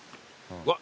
うわっ